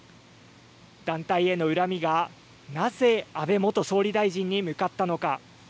団体への恨みが、なぜ安倍元総理大臣に向かったのか。